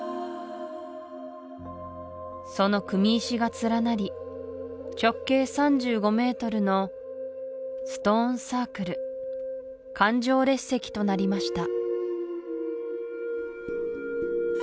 その組石が連なり直径３５ｍのストーン・サークル環状列石となりました